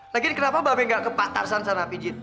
nah gini kenapa mbak be gak kepatasan sana pijit